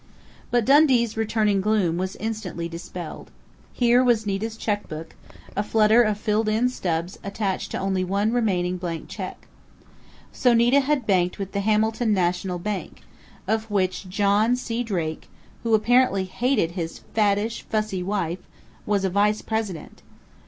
But Dundee's returning gloom was instantly dispelled. Here was Nita's checkbook, a flutter of filled in stubs attached to only one remaining blank check. So Nita had banked with the Hamilton National Bank, of which John C. Drake who apparently hated his fattish, fussy wife was a vice president!